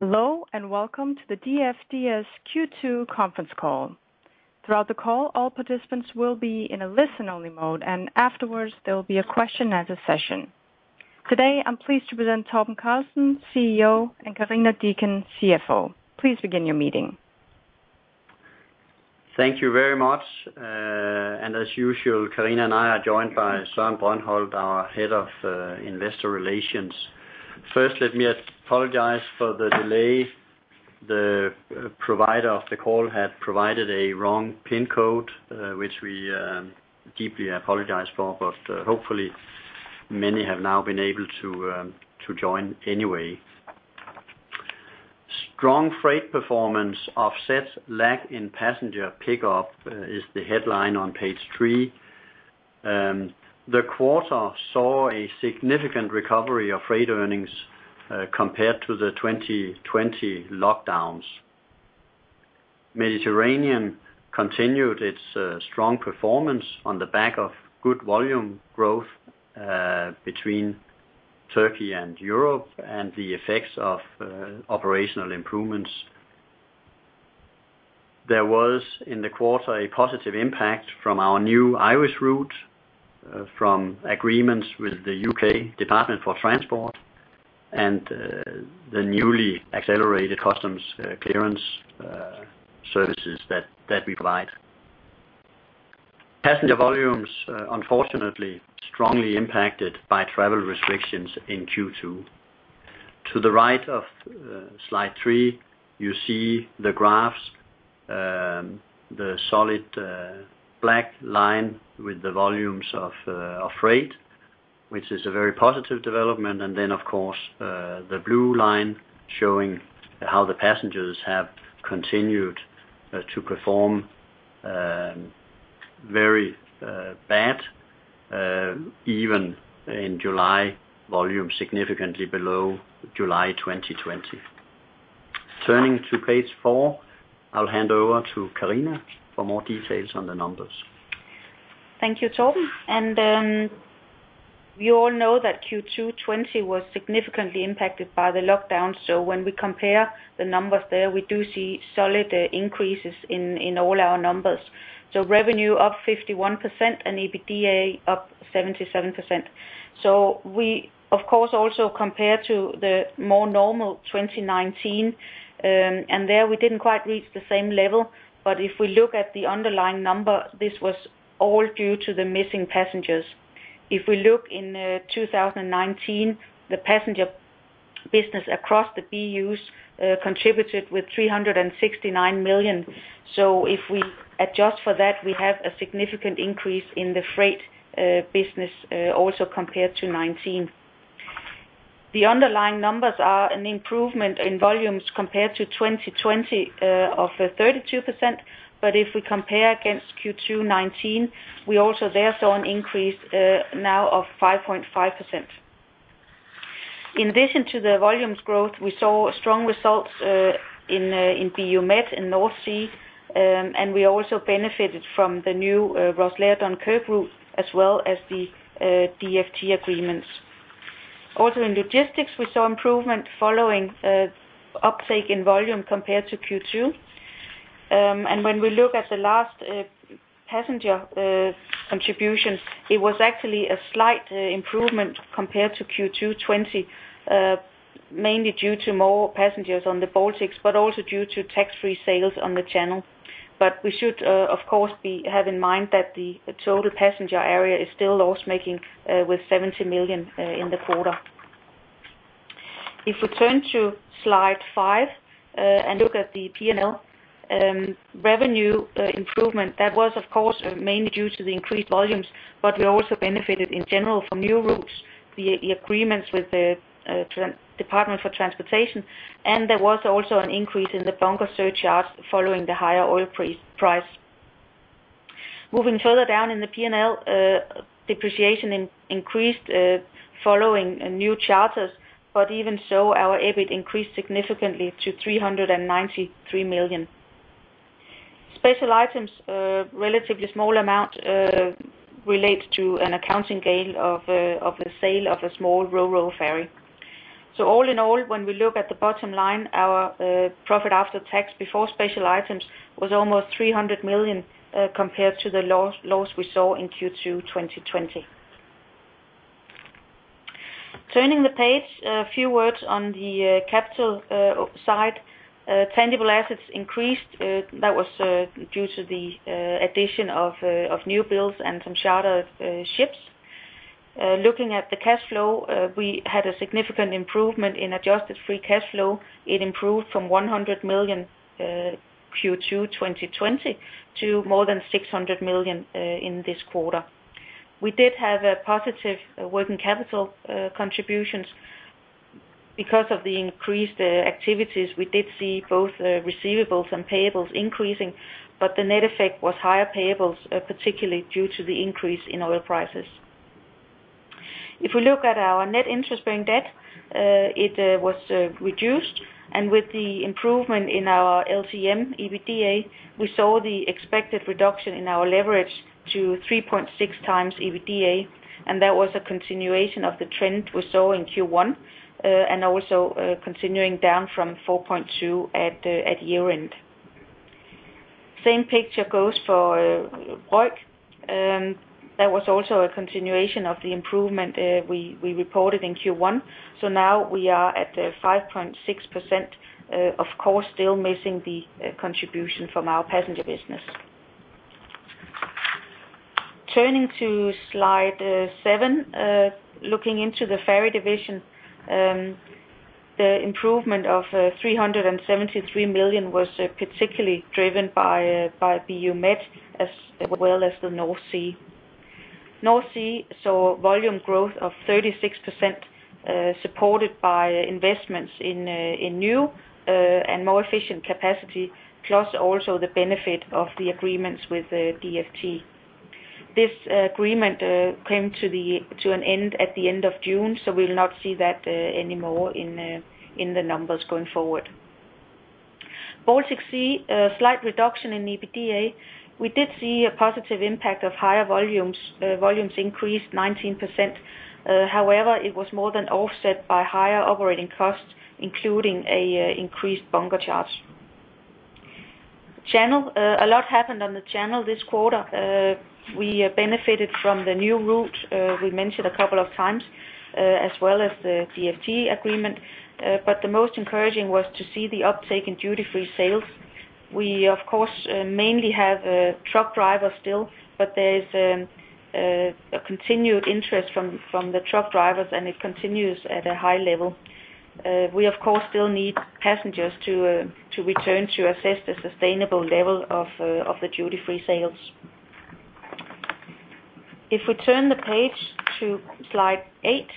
Hello, and welcome to the DFDS Q2 Conference Call. Throughout the call, all participants will be in a listen-only mode, and afterwards, there will be a question-and-answer session. Today, I'm pleased to present Torben Carlsen, CEO, and Karina Deacon, CFO. Please begin your meeting. Thank you very much. As usual, Karina Deacon and I are joined by Søren Brøndholt, our Head of Investor Relations. First, let me apologize for the delay. The provider of the call had provided a wrong pin code, which we deeply apologize for, but hopefully many have now been able to join anyway. Strong freight performance offsets lag in passenger pickup is the headline on page three. The quarter saw a significant recovery of freight earnings compared to the 2020 lockdowns. Mediterranean continued its strong performance on the back of good volume growth between Turkey and Europe and the effects of operational improvements. There was, in the quarter, a positive impact from our new Irish route, from agreements with the U.K. Department for Transport, and the newly accelerated customs clearance services that we provide. Passenger volumes, unfortunately, strongly impacted by travel restrictions in Q2. To the right of slide three, you see the graphs, the solid black line with the volumes of freight, which is a very positive development, and then of course, the blue line showing how the passengers have continued to perform very bad, even in July, volume significantly below July 2020. Turning to page four, I'll hand over to Karina for more details on the numbers. Thank you, Torben. We all know that Q2 2020 was significantly impacted by the lockdown, when we compare the numbers there, we do see solid increases in all our numbers. Revenue up 51% and EBITDA up 77%. We of course also compare to the more normal 2019, there we didn't quite reach the same level. If we look at the underlying number, this was all due to the missing passengers. If we look in 2019, the passenger business across the BUs contributed with 369 million. If we adjust for that, we have a significant increase in the freight business also compared to 2019. The underlying numbers are an improvement in volumes compared to 2020 of 32%, if we compare against Q2 2019, we also there saw an increase now of 5.5%. In addition to the volumes growth, we saw strong results in BU Med and North Sea, and we also benefited from the new Rosslare-Dunkerque route, as well as the DfT agreements. Also in logistics, we saw improvement following uptake in volume compared to Q2. When we look at the last passenger contribution, it was actually a slight improvement compared to Q2 2020, mainly due to more passengers on the Baltics, but also due to tax-free sales on the Channel. We should, of course, have in mind that the total passenger area is still loss-making with 70 million in the quarter. If we turn to slide five and look at the P&L. Revenue improvement, that was of course mainly due to the increased volumes, but we also benefited in general from new routes, the agreements with the Department for Transport, and there was also an increase in the bunker surcharge following the higher oil price. Moving further down in the P&L, depreciation increased following new charters, but even so, our EBIT increased significantly to 393 million. Special items, a relatively small amount related to an accounting gain of the sale of a small Ro-Ro ferry. All in all, when we look at the bottom line, our profit after tax before special items was almost 300 million compared to the loss we saw in Q2 2020. Turning the page, a few words on the capital side. Tangible assets increased. That was due to the addition of new builds and some charter ships. Looking at the cash flow, we had a significant improvement in adjusted free cash flow. It improved from 100 million Q2 2020 to more than 600 million in this quarter. We did have positive working capital contributions. Because of the increased activities, we did see both receivables and payables increasing, but the net effect was higher payables, particularly due to the increase in oil prices. We look at our net interest-bearing debt, it was reduced, and with the improvement in our LTM EBITDA, we saw the expected reduction in our leverage to 3.6x EBITDA. That was a continuation of the trend we saw in Q1, also continuing down from 4.2x at year-end. Same picture goes for Ro-Ro. That was also a continuation of the improvement we reported in Q1. Now we are at 5.6%, of course, still missing the contribution from our passenger business. Turning to slide seven. Looking into the ferry division, the improvement of 373 million was particularly driven by BU Med, as well as the North Sea. North Sea saw volume growth of 36%, supported by investments in new and more efficient capacity, plus also the benefit of the agreements with DfT. This agreement came to an end at the end of June, so we'll not see that anymore in the numbers going forward. Baltic Sea, a slight reduction in EBITDA. We did see a positive impact of higher volumes. Volumes increased 19%. However, it was more than offset by higher operating costs, including an increased bunker charge. Channel. A lot happened on the Channel this quarter. We benefited from the new route we mentioned a couple of times, as well as the DfT agreement. The most encouraging was to see the uptake in duty-free sales. We, of course, mainly have truck drivers still, but there is a continued interest from the truck drivers, and it continues at a high level. We, of course, still need passengers to return to assess the sustainable level of the duty-free sales. If we turn the page to slide eight.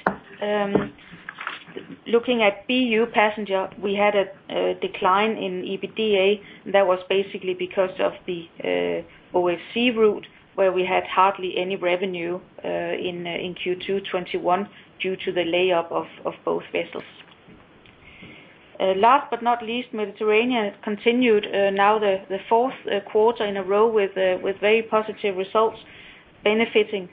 Looking at BU Passenger, we had a decline in EBITDA, and that was basically because of the OSC route, where we had hardly any revenue in Q2 2021 due to the layup of both vessels. Last but not least, Mediterranean continued now the fourth quarter in a row with very positive results, benefiting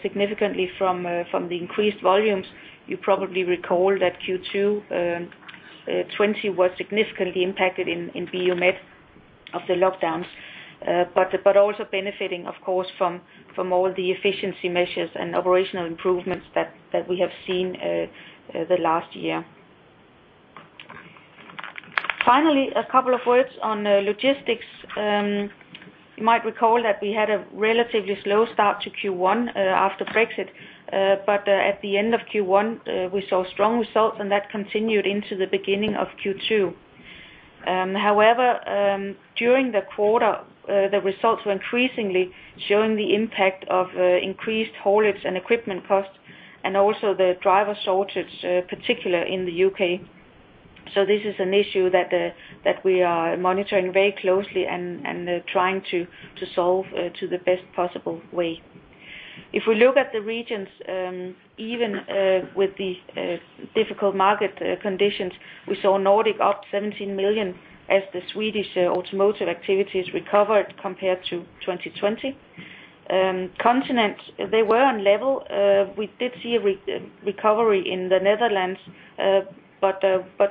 significantly from the increased volumes. You probably recall that Q2 2020 was significantly impacted in BU Med of the lockdowns. Also benefiting, of course, from all the efficiency measures and operational improvements that we have seen the last year. Finally, a couple of words on logistics. You might recall that we had a relatively slow start to Q1 after Brexit. At the end of Q1, we saw strong results, and that continued into the beginning of Q2. However, during the quarter, the results were increasingly showing the impact of increased haulage and equipment costs, and also the driver shortage, particular in the U.K. This is an issue that we are monitoring very closely and trying to solve to the best possible way. If we look at the regions, even with the difficult market conditions, we saw Nordic up 17 million as the Swedish automotive activities recovered compared to 2020. Continent, they were on level. We did see a recovery in the Netherlands,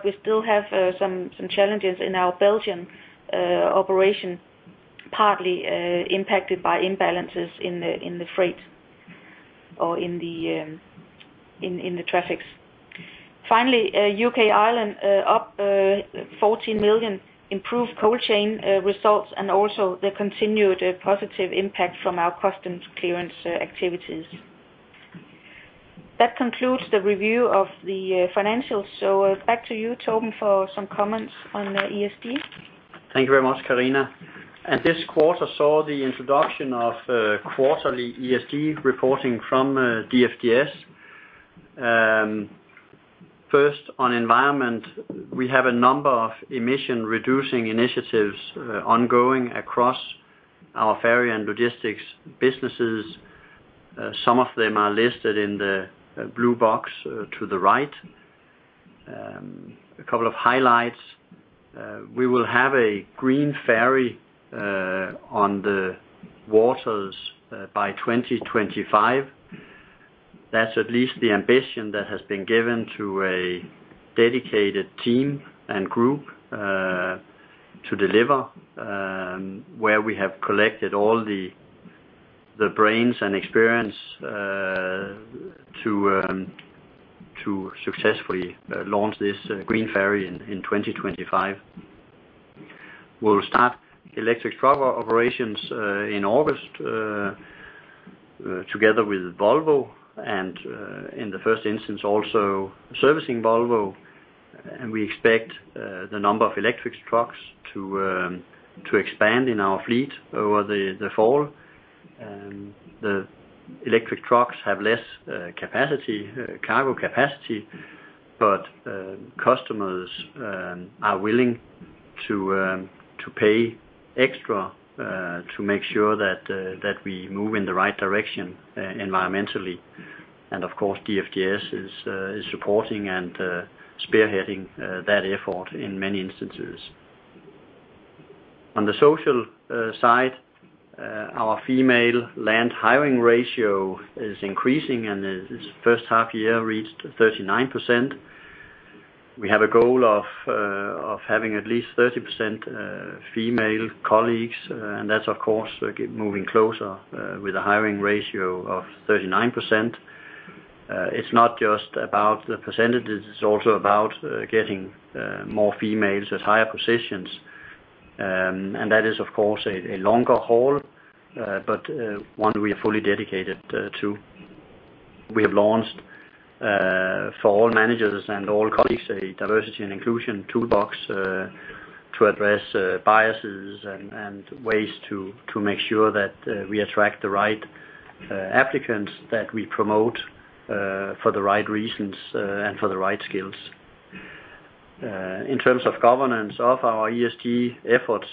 we still have some challenges in our Belgian operation, partly impacted by imbalances in the freight or in the traffics. U.K., Ireland up 14 million, improved cold chain results, and also the continued positive impact from our customs clearance activities. That concludes the review of the financials. Back to you, Torben, for some comments on ESG. Thank you very much, Karina. This quarter saw the introduction of quarterly ESG reporting from DFDS. First on environment, we have a number of emission-reducing initiatives ongoing across our ferry and logistics businesses. Some of them are listed in the blue box to the right. A couple of highlights. We will have a green ferry on the waters by 2025. That's at least the ambition that has been given to a dedicated team and group to deliver, where we have collected all the brains and experience to successfully launch this green ferry in 2025. We'll start electric truck operations in August together with Volvo, and in the first instance, also servicing Volvo. We expect the number of electric trucks to expand in our fleet over the fall. The electric trucks have less cargo capacity, but customers are willing to pay extra to make sure that we move in the right direction environmentally. Of course, DFDS is supporting and spearheading that effort in many instances. On the social side, our female land hiring ratio is increasing and in this first half year reached 39%. We have a goal of having at least 30% female colleagues, and that's, of course, moving closer with a hiring ratio of 39%. It's not just about the percentages, it's also about getting more females at higher positions. That is, of course, a longer haul, but one we are fully dedicated to. We have launched, for all managers and all colleagues, a diversity and inclusion toolbox to address biases and ways to make sure that we attract the right applicants, that we promote for the right reasons and for the right skills. In terms of governance of our ESG efforts,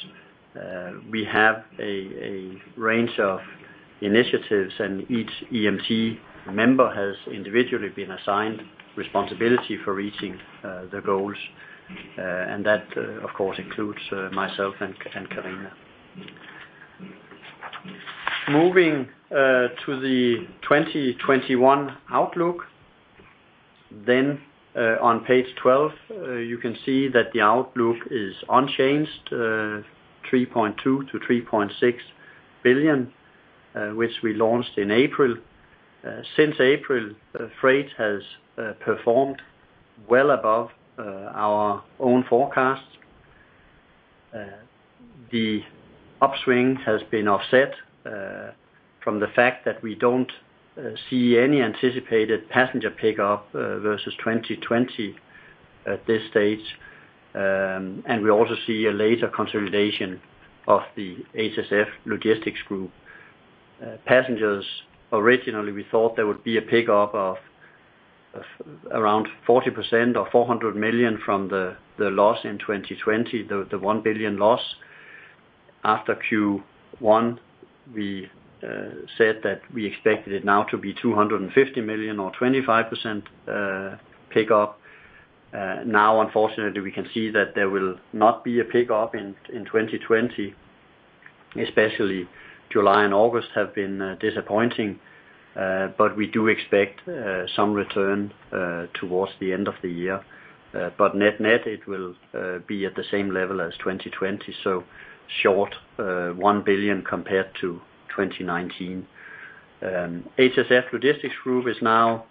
we have a range of initiatives, and each EMT member has individually been assigned responsibility for reaching the goals. That, of course, includes myself and Karina. Moving to the 2021 outlook. On page 12, you can see that the outlook is unchanged, 3.2 billion-3.6 billion, which we launched in April. Since April, freight has performed well above our own forecasts. The upswing has been offset from the fact that we don't see any anticipated passenger pickup versus 2020 at this stage, and we also see a later consolidation of the HSF Logistics Group. Passengers, originally, we thought there would be a pickup of around 40% or 400 million from the loss in 2020, the 1 billion loss. After Q1, we said that we expected it now to be 250 million or 25% pickup. Unfortunately, we can see that there will not be a pickup in 2020. Especially July and August have been disappointing. We do expect some return towards the end of the year. Net, it will be at the same level as 2020, so short 1 billion compared to 2019. HSF Logistics Group is now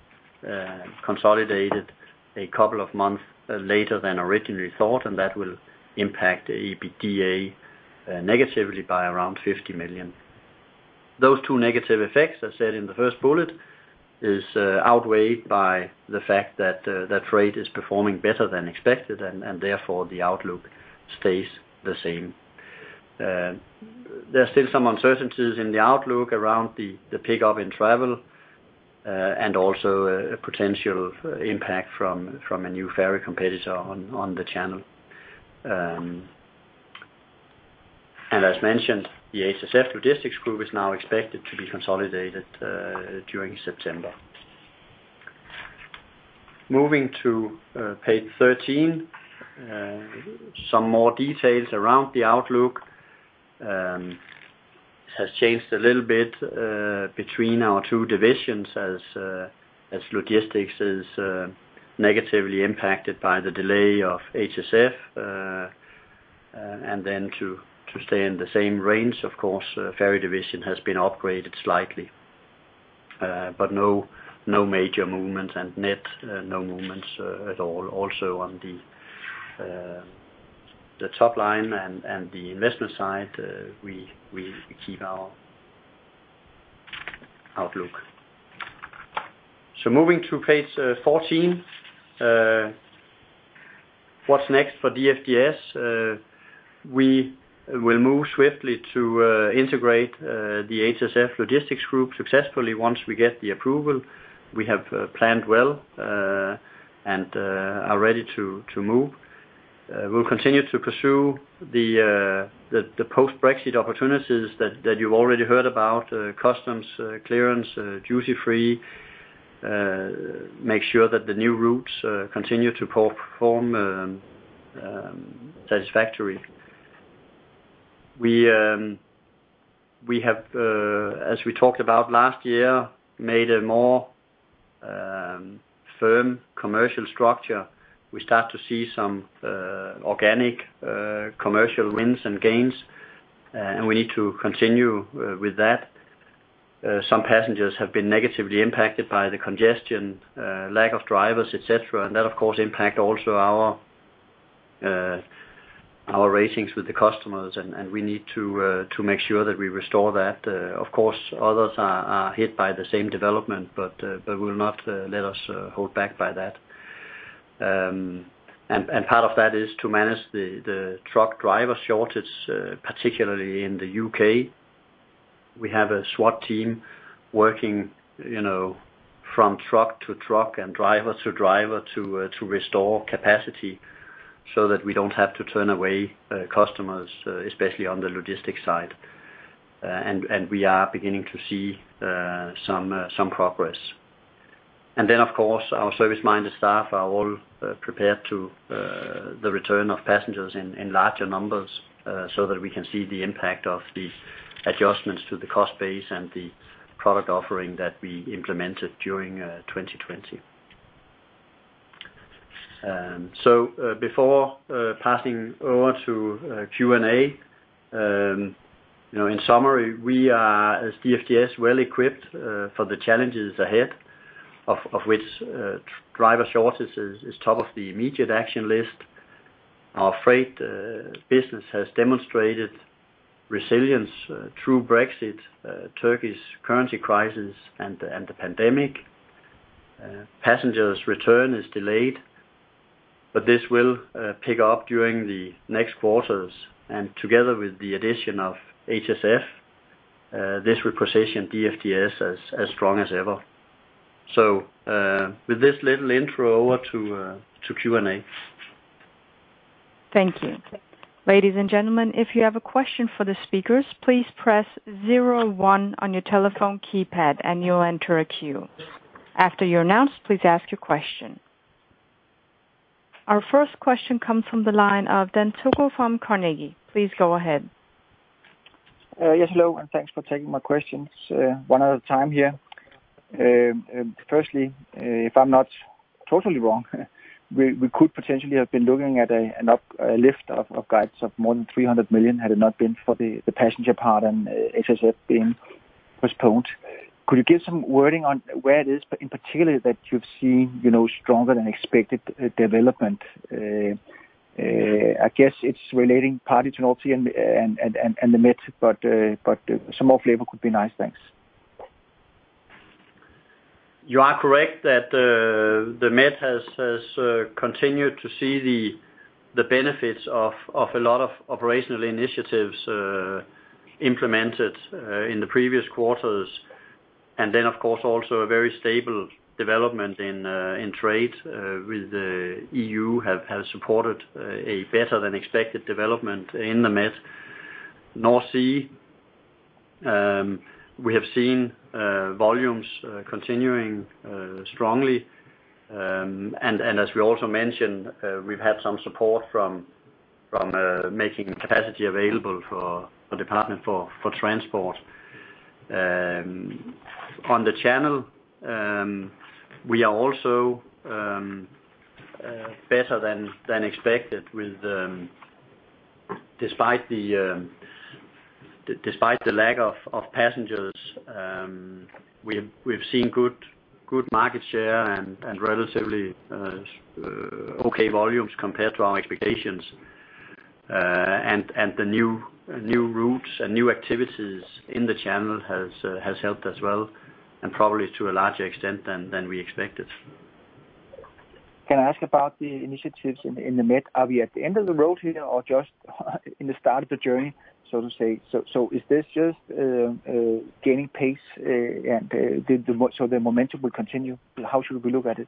consolidated a couple of months later than originally thought, that will impact the EBITDA negatively by around 50 million. Those two negative effects, as said in the first bullet, is outweighed by the fact that freight is performing better than expected, therefore the outlook stays the same. There are still some uncertainties in the outlook around the pickup in travel, also a potential impact from a new ferry competitor on the channel. As mentioned, the HSF Logistics Group is now expected to be consolidated during September. Moving to page 13. Some more details around the outlook has changed a little bit between our two divisions as logistics is negatively impacted by the delay of HSF. To stay in the same range, of course, ferry division has been upgraded slightly. No major movement and net no movements at all. Also on the top line and the investment side, we keep our outlook. Moving to page 14. What's next for DFDS? We will move swiftly to integrate the HSF Logistics Group successfully once we get the approval. We have planned well and are ready to move. We'll continue to pursue the post-Brexit opportunities that you've already heard about, customs clearance, duty-free. Make sure that the new routes continue to perform satisfactory. We have, as we talked about last year, made a more firm commercial structure. We start to see some organic commercial wins and gains, and we need to continue with that. Some passengers have been negatively impacted by the congestion, lack of drivers, et cetera, and that, of course, impact also our ratings with the customers, and we need to make sure that we restore that. Of course, others are hit by the same development, but will not let us hold back by that. Part of that is to manage the truck driver shortage, particularly in the U.K. We have a SWAT team working from truck to truck and driver to driver to restore capacity so that we don't have to turn away customers, especially on the logistics side. We are beginning to see some progress. Of course, our service-minded staff are all prepared to the return of passengers in larger numbers so that we can see the impact of the adjustments to the cost base and the product offering that we implemented during 2020. Before passing over to Q&A, in summary, we are, as DFDS, well-equipped for the challenges ahead, of which driver shortage is top of the immediate action list. Our freight business has demonstrated resilience through Brexit, Turkey's currency crisis, and the pandemic. Passengers return is delayed, this will pick up during the next quarters. Together with the addition of HSF, this will position DFDS as strong as ever. With this little intro, over to Q&A. Thank you. Ladies and gentlemen, if you have a question for the speakers, please press zero one on your telephone keypad and you'll enter a queue. After you're announced, please ask your question. Our first question comes from the line of Dan Togo from Carnegie. Please go ahead. Hello, thanks for taking my questions one at a time here. Firstly, if I am not totally wrong, we could potentially have been looking at an uplift of guides of more than 300 million had it not been for the passenger part and HSF being postponed. Could you give some wording on where it is, but in particular that you have seen stronger than expected development? I guess it is relating partly to North Sea and the Med, but some more flavor could be nice. Thanks. You are correct that the Med has continued to see the benefits of a lot of operational initiatives implemented in the previous quarters. Of course, also a very stable development in trade with the EU have supported a better than expected development in the Med. North Sea, we have seen volumes continuing strongly. As we also mentioned, we've had some support from making capacity available for Department for Transport. On the Channel, we are also better than expected with despite the lack of passengers, we've seen good market share and relatively okay volumes compared to our expectations. The new routes and new activities in the Channel has helped as well, and probably to a larger extent than we expected. Can I ask about the initiatives in the BU Med? Are we at the end of the road here or just in the start of the journey, so to say? Is this just gaining pace, and so the momentum will continue? How should we look at it?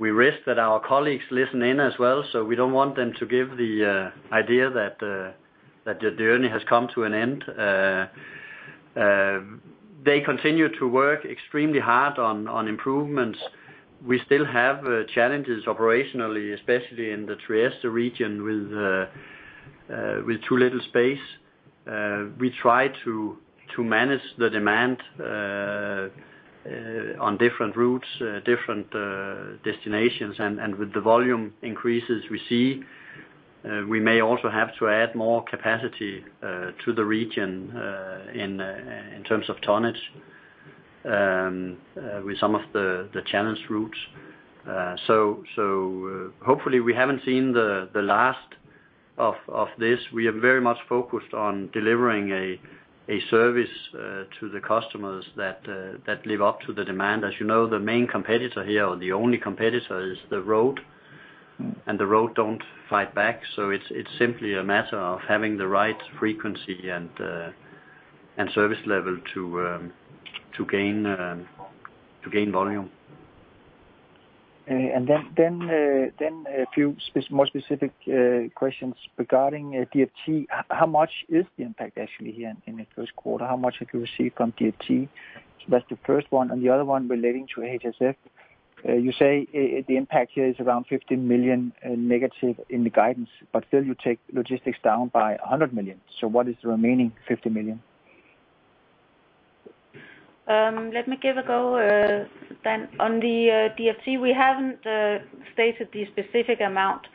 We risk that our colleagues listen in as well, so we don't want them to give the idea that the journey has come to an end. They continue to work extremely hard on improvements. We still have challenges operationally, especially in the Trieste region with too little space. We try to manage the demand on different routes, different destinations, and with the volume increases we see, we may also have to add more capacity to the region in terms of tonnage with some of the challenged routes. Hopefully, we haven't seen the last of this. We are very much focused on delivering a service to the customers that live up to the demand. As you know, the main competitor here, or the only competitor is the road, and the road don't fight back. It's simply a matter of having the right frequency and service level to gain volume. A few more specific questions regarding DfT. How much is the impact actually here in the first quarter? How much have you received from DfT? The first one. The other one relating to HSF. You say the impact here is around 50 million- in the guidance, but still you take logistics down by 100 million. What is the remaining 50 million? Let me give a go, Dan. On the DfT, we haven't stated the specific amount,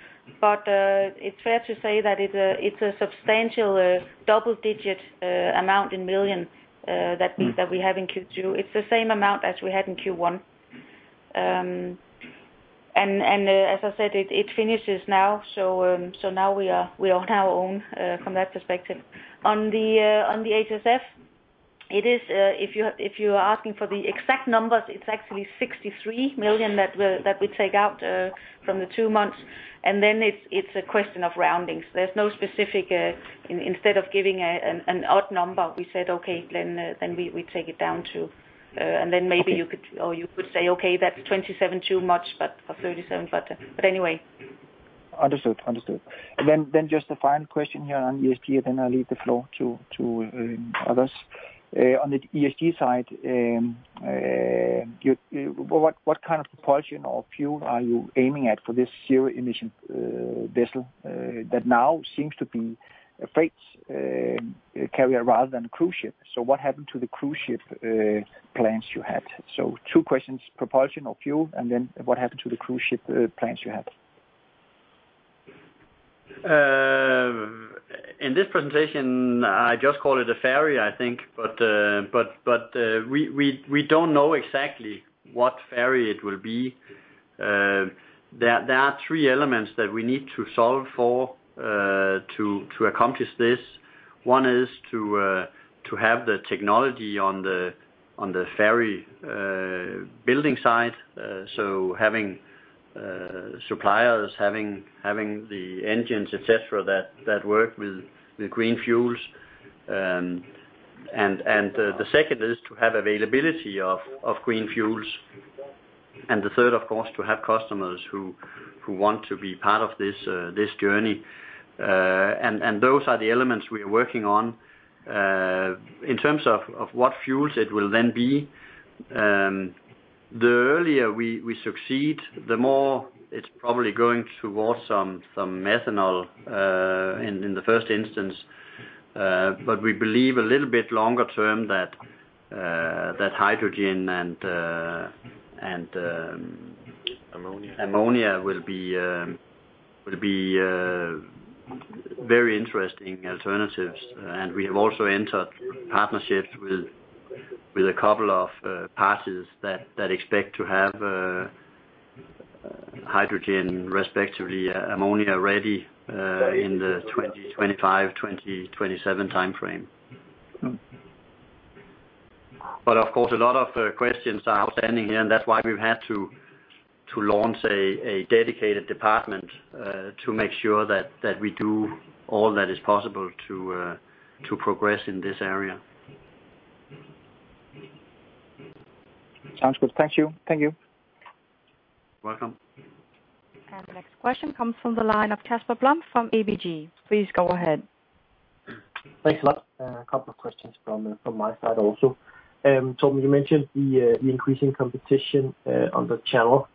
but it's fair to say that it's a substantial double-digit amount in million that we have in Q2. It's the same amount as we had in Q1. As I said, it finishes now, so now we are on our own from that perspective. On the HSF, if you are asking for the exact numbers, it's actually 63 million that we take out from the two months, then it's a question of roundings. There's no specific. Instead of giving an odd number, we said, "Okay, then we take it down, too." Then maybe you could say, "Okay, that's 27 too much, but for 37." Anyway. Understood. Just the final question here on ESG, then I'll leave the floor to others. On the ESG side, what kind of propulsion or fuel are you aiming at for this zero-emission vessel that now seems to be a freight carrier rather than a cruise ship? What happened to the cruise ship plans you had? Two questions, propulsion or fuel, and then what happened to the cruise ship plans you had? In this presentation, I just called it a ferry, I think. We don't know exactly what ferry it will be. There are three elements that we need to solve for to accomplish this. One is to have the technology on the ferry building side. Having suppliers, having the engines, etc., that work with the green fuels. The second is to have availability of green fuels. The third, of course, to have customers who want to be part of this journey. Those are the elements we are working on. In terms of what fuels it will then be, the earlier we succeed, the more it's probably going towards some methanol in the first instance. We believe a little bit longer term that hydrogen and- Ammonia. ammonia will be very interesting alternatives. We have also entered partnerships with a couple of parties that expect to have hydrogen, respectively, ammonia ready in the 2025, 2027 timeframe. Of course, a lot of questions are outstanding here, and that's why we've had to launch a dedicated department, to make sure that we do all that is possible to progress in this area. Sounds good. Thank you. Welcome. The next question comes from the line of Casper Blom from ABG. Please go ahead. Thanks a lot. A couple of questions from my side also. Torben, you mentioned the increasing competition on the channel.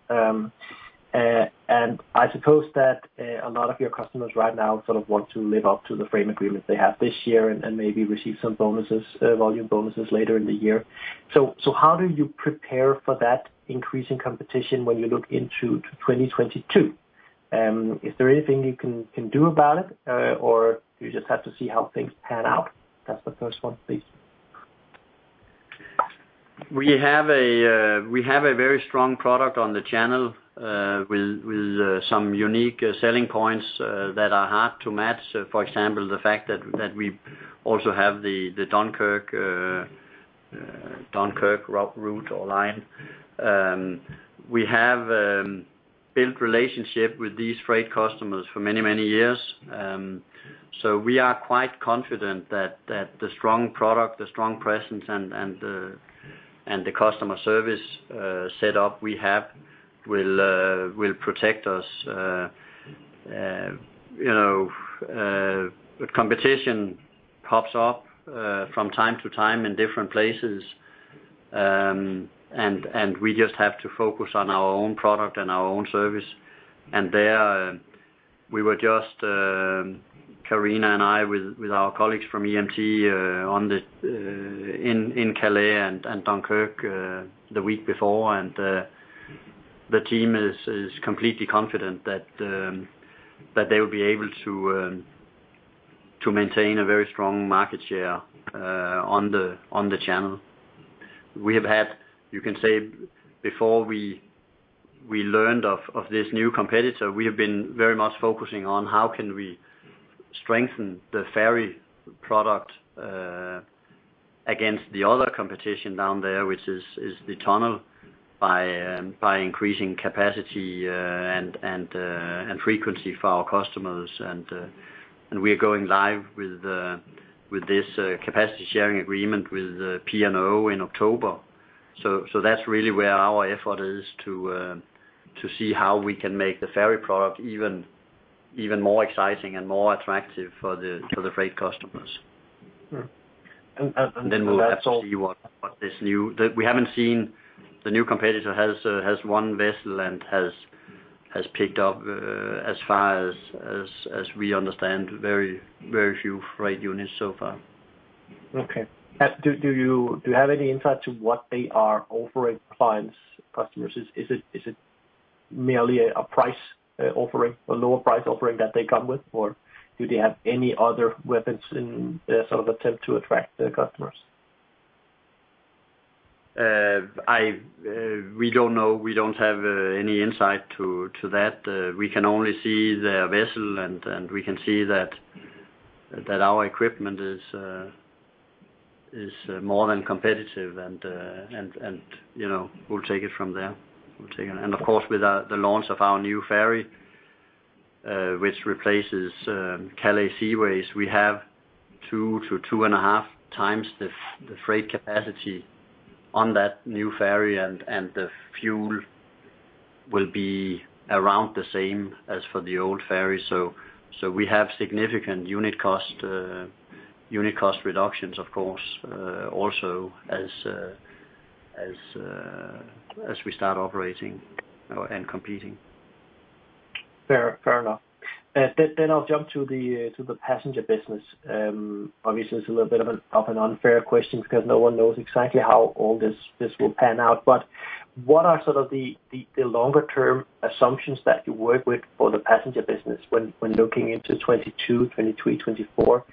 I suppose that a lot of your customers right now sort of want to live up to the frame agreement they have this year and maybe receive some volume bonuses later in the year. How do you prepare for that increasing competition when you look into 2022? Is there anything you can do about it, or do you just have to see how things pan out? That's the first one, please. We have a very strong product on the Channel, with some unique selling points that are hard to match. For example, the fact that we also have the Dunkirk route or line. We have built relationships with these freight customers for many years. We are quite confident that the strong product, the strong presence, and the customer service set up we have will protect us. Competition pops up from time to time in different places. We just have to focus on our own product and our own service. There, we were just, Karina and I, with our colleagues from EMT, in Calais and Dunkirk the week before. The team is completely confident that they will be able to maintain a very strong market share on the Channel. We have had, you can say, before we learned of this new competitor, we have been very much focusing on how can we strengthen the ferry product against the other competition down there, which is the tunnel, by increasing capacity and frequency for our customers. We are going live with this capacity sharing agreement with P&O in October. That's really where our effort is to see how we can make the ferry product even more exciting and more attractive for the freight customers. And then- We haven't seen the new competitor has one vessel and has picked up, as far as we understand, very few freight units so far. Do you have any insight to what they are offering clients, customers? Is it merely a price offering, a lower price offering that they come with, or do they have any other weapons in their sort of attempt to attract the customers? We don't know. We don't have any insight to that. We can only see their vessel, and we can see that our equipment is more than competitive. We'll take it from there. Of course, with the launch of our new ferry, which replaces Calais Seaways, we have two to two and a half times the freight capacity on that new ferry and the fuel will be around the same as for the old ferry. We have significant unit cost reductions, of course, also as we start operating and competing. Fair enough. I'll jump to the passenger business. Obviously, it's a little bit of an unfair question because no one knows exactly how all this will pan out. What are sort of the longer term assumptions that you work with for the passenger business when looking into 2022, 2023, 2024?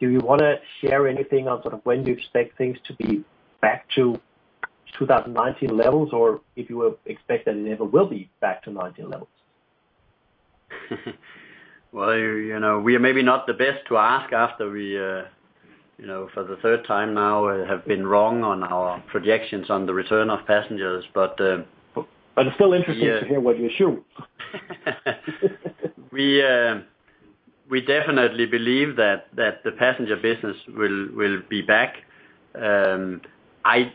Do you want to share anything on sort of when you expect things to be back to 2019 levels? If you expect that it never will be back to 2019 levels? Well, we are maybe not the best to ask after we, for the third time now, have been wrong on our projections on the return of passengers. It's still interesting to hear what you assume. We definitely believe that the passenger business will be back. I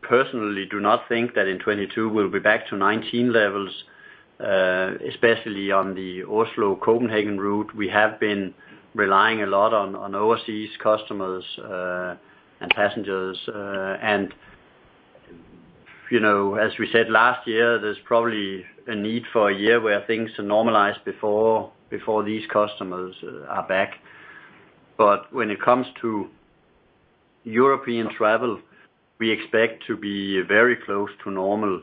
personally do not think that in 2022 we'll be back to 2019 levels, especially on the Oslo-Copenhagen route. We have been relying a lot on overseas customers, and passengers. As we said last year, there's probably a need for a year where things normalize before these customers are back. When it comes to European travel, we expect to be very close to normal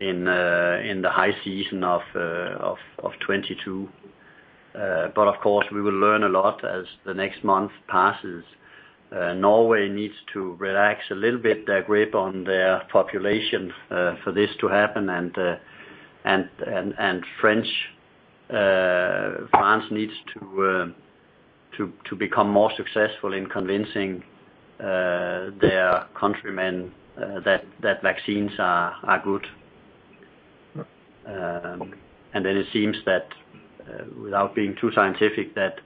in the high season of 2022. Of course, we will learn a lot as the next month passes. Norway needs to relax a little bit their grip on their population for this to happen, and France needs to become more successful in convincing their countrymen that vaccines are good. Right. It seems that, without being too scientific, that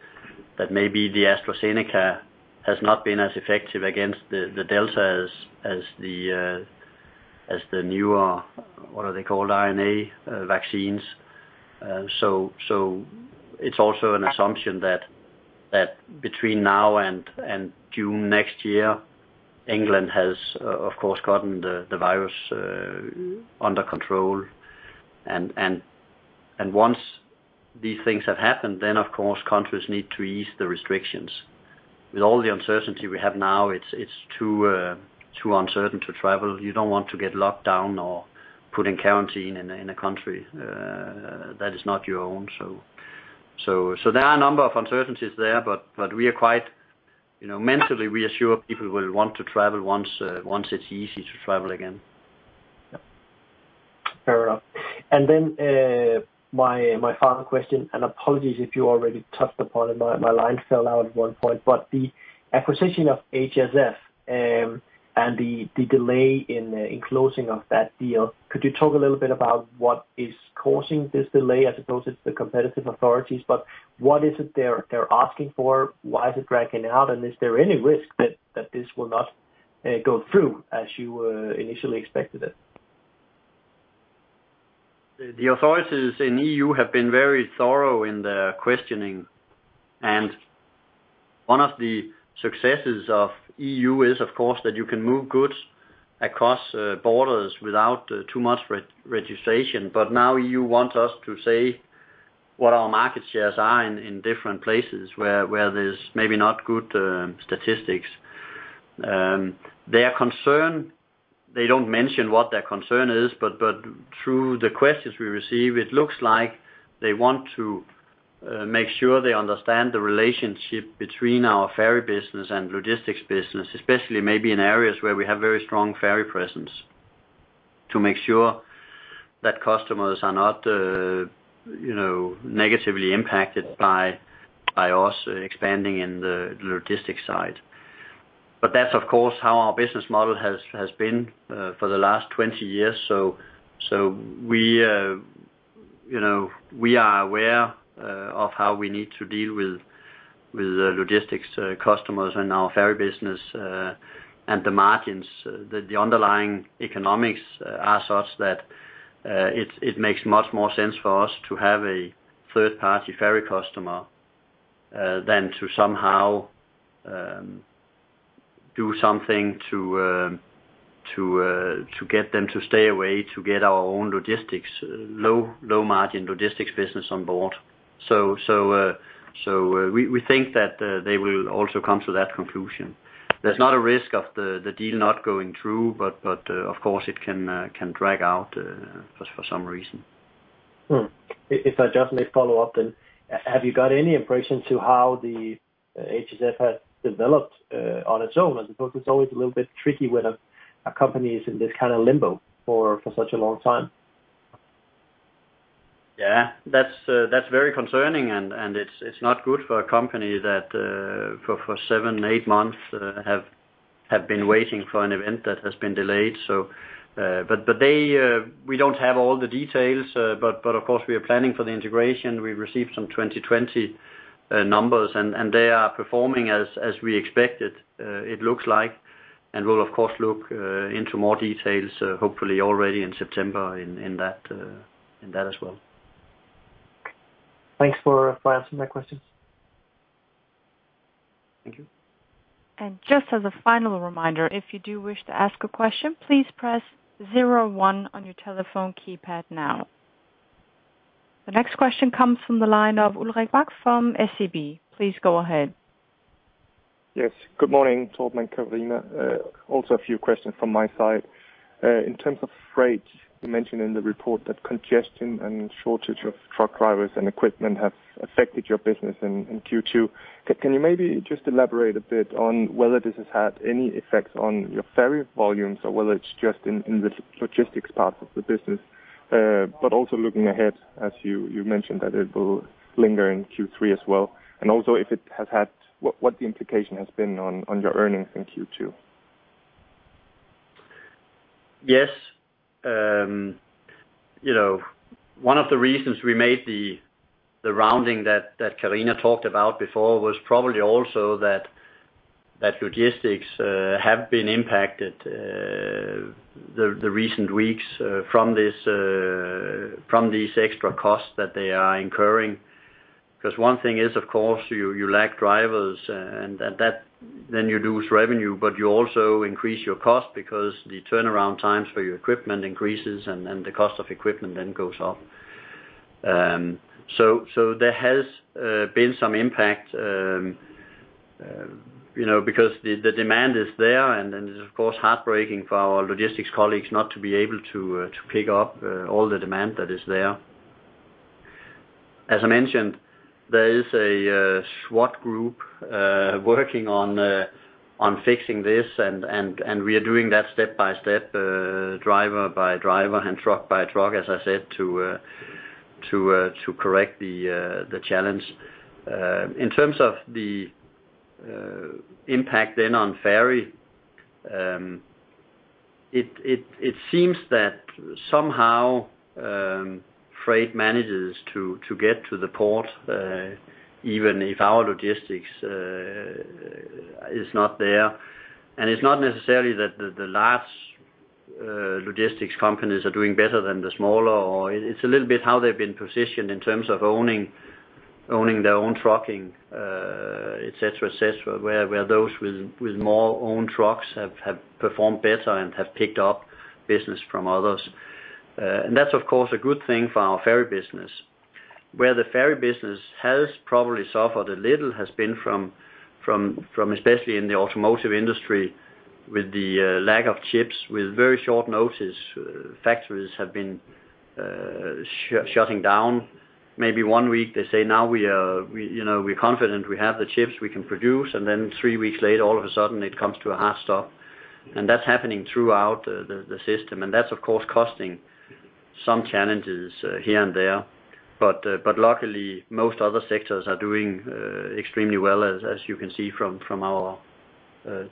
maybe the AstraZeneca has not been as effective against the Delta as the newer, what are they called, mRNA vaccines. It is also an assumption that between now and June next year, England has, of course, gotten the virus under control. Once these things have happened, then of course, countries need to ease the restrictions. With all the uncertainty we have now, it is too uncertain to travel. You do not want to get locked down or put in quarantine in a country that is not your own. There are a number of uncertainties there, but mentally, we are sure people will want to travel once it is easy to travel again. Yeah. Fair enough. My final question, and apologies if you already touched upon it. My line fell out at one point. The acquisition of HSF and the delay in closing of that deal, could you talk a little bit about what is causing this delay? I suppose it's the competitive authorities, but what is it they're asking for? Why is it dragging out? Is there any risk that this will not go through as you initially expected it? The authorities in EU have been very thorough in their questioning. One of the successes of EU is, of course, that you can move goods across borders without too much registration. Now EU want us to say what our market shares are in different places where there's maybe not good statistics. Their concern, they don't mention what their concern is, but through the questions we receive, it looks like they want to make sure they understand the relationship between our ferry business and logistics business, especially maybe in areas where we have very strong ferry presence, to make sure that customers are not negatively impacted by us expanding in the logistics side. That's, of course, how our business model has been for the last 20 years. We are aware of how we need to deal with logistics customers and our ferry business, and the margins. The underlying economics are such that it makes much more sense for us to have a third party ferry customer than to somehow do something to get them to stay away, to get our own low margin logistics business on board. We think that they will also come to that conclusion. There is not a risk of the deal not going through, but of course it can drag out for some reason. If I just may follow up, have you got any impression to how the HSF has developed on its own? I suppose it's always a little bit tricky when a company is in this kind of limbo for such a long time. Yeah. That's very concerning and it's not good for a company that for seven, eight months, have been waiting for an event that has been delayed. We don't have all the details, but of course we are planning for the integration. We received some 2020 numbers, and they are performing as we expected. It looks like, and we'll of course look into more details hopefully already in September in that as well. Thanks for answering my questions. Thank you. Just as a final reminder, if you do wish to ask a question, please press zero one on your telephone keypad now. The next question comes from the line of Ulrik Bak from SEB. Please go ahead. Yes. Good morning, Torben, Karina. Also a few questions from my side. In terms of freight, you mentioned in the report that congestion and shortage of truck drivers and equipment have affected your business in Q2. Can you maybe just elaborate a bit on whether this has had any effect on your ferry volumes or whether it's just in the logistics part of the business? Also looking ahead, as you mentioned, that it will linger in Q3 as well, and also what the implication has been on your earnings in Q2. Yes. One of the reasons we made the rounding that Karina talked about before was probably also that logistics have been impacted, the recent weeks, from these extra costs that they are incurring. One thing is, of course, you lack drivers, and then you lose revenue, but you also increase your cost because the turnaround times for your equipment increases, and the cost of equipment then goes up. There has been some impact, because the demand is there, and it is, of course, heartbreaking for our logistics colleagues not to be able to pick up all the demand that is there. As I mentioned, there is a SWAT group working on fixing this, and we are doing that step by step, driver by driver and truck by truck, as I said, to correct the challenge. In terms of the impact on ferry, it seems that somehow, freight manages to get to the port, even if our logistics is not there. It's not necessarily that the large logistics companies are doing better than the smaller or It's a little bit how they've been positioned in terms of owning their own trucking, etc. Where those with more own trucks have performed better and have picked up business from others. That's, of course, a good thing for our ferry business. Where the ferry business has probably suffered a little has been from, especially in the automotive industry, with the lack of chips, with very short notice. Factories have been shutting down. Maybe one week, they say, "Now we're confident we have the chips, we can produce." Then three weeks later, all of a sudden, it comes to a hard stop. That's happening throughout the system, and that's, of course, causing some challenges here and there. Luckily, most other sectors are doing extremely well, as you can see from our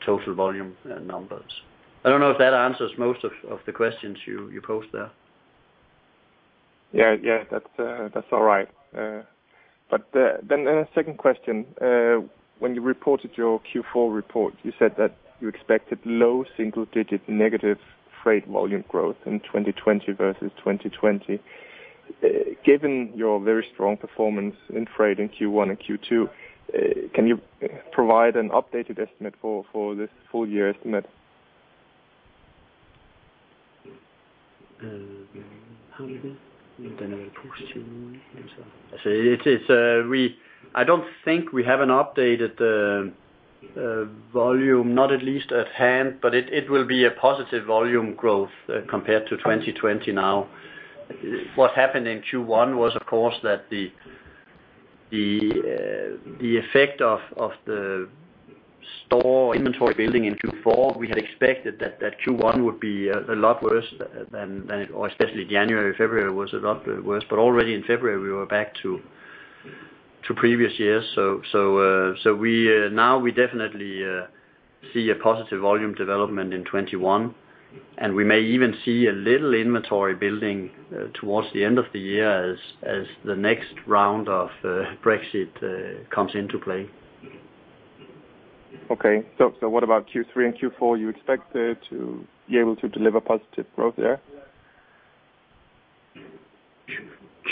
total volume numbers. I don't know if that answers most of the questions you posed there. Yeah. That's all right. Second question. When you reported your Q4 report, you said that you expected low-single-digit negative freight volume growth in 2020 versus 2020. Given your very strong performance in freight in Q1 and Q2, can you provide an updated estimate for this full year estimate? I don't think we have an updated volume, not at least at hand. It will be a positive volume growth compared to 2020 now. What happened in Q1 was, of course, that the effect of the store inventory building in Q4, we had expected that Q1 would be a lot worse than, or especially January, February, was a lot worse. Already in February, we were back to previous years. Now we definitely see a positive volume development in 2021, and we may even see a little inventory building towards the end of the year as the next round of Brexit comes into play. Okay. What about Q3 and Q4? You expect to be able to deliver positive growth there?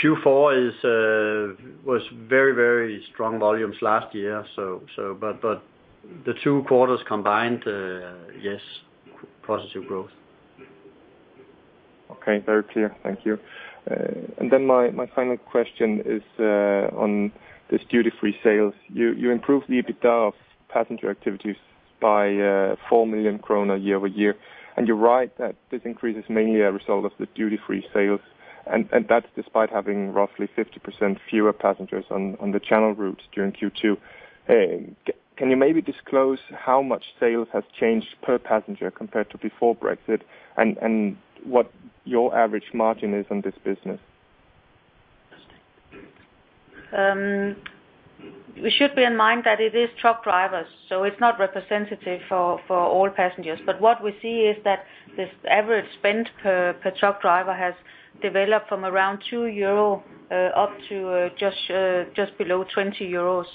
Q4 was very strong volumes last year. The two quarters combined, yes, positive growth. Okay. Very clear. Thank you. Then my final question is on this duty-free sales. You improved the EBITDA of passenger activities by 4 million kroner year-over-year, and you write that this increase is mainly a result of the duty-free sales, and that's despite having roughly 50% fewer passengers on the channel routes during Q2. Can you maybe disclose how much sales have changed per passenger compared to before Brexit, and what your average margin is on this business? We should bear in mind that it is truck drivers, it's not representative for all passengers. What we see is that this average spend per truck driver has developed from around 2 euro up to just below 20 euros,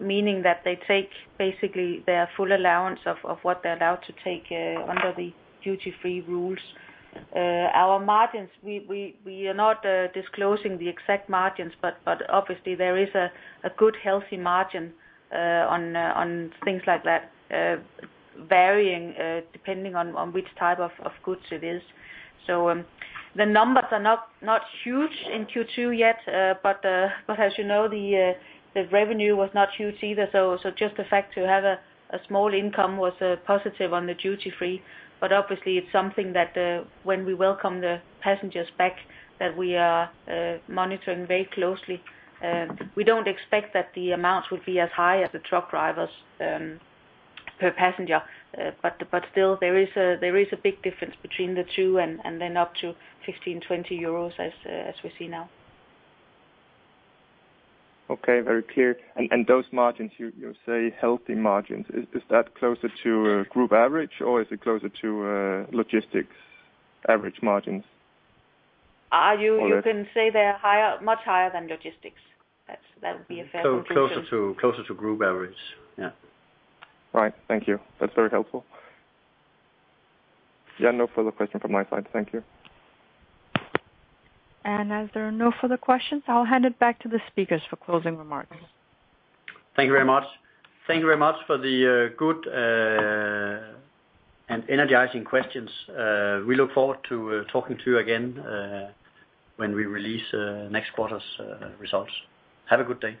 meaning that they take basically their full allowance of what they're allowed to take under the duty-free rules. Our margins, we are not disclosing the exact margins, obviously there is a good, healthy margin on things like that, varying depending on which type of goods it is. The numbers are not huge in Q2 yet, as you know, the revenue was not huge either. Just the fact to have a small income was positive on the duty-free. Obviously it's something that when we welcome the passengers back, that we are monitoring very closely. We don't expect that the amounts will be as high as the truck drivers per passenger. Still, there is a big difference between the two, and then up to 15, 20 euros as we see now. Okay. Very clear. Those margins, you say healthy margins. Is that closer to group average or is it closer to logistics average margins? You can say they're much higher than logistics. That would be a fair conclusion. Closer to group average. Yeah. Right. Thank you. That's very helpful. Yeah, no further question from my side. Thank you. As there are no further questions, I'll hand it back to the speakers for closing remarks. Thank you very much. Thank you very much for the good and energizing questions. We look forward to talking to you again when we release next quarter's results. Have a good day.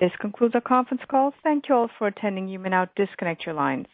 This concludes our conference call. Thank you all for attending. You may now disconnect your lines.